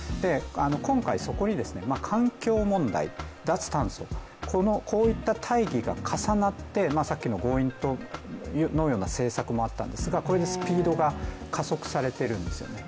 今回、そこに環境問題、脱炭素こういった大義が重なって、さっきの強引というような政策もあったんですがこれでスピードが加速されているんですね。